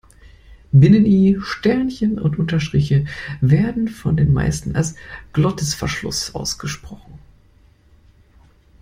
Binnen-I, Sternchen und Unterstrich werden von den meisten als Glottisverschluss ausgesprochen.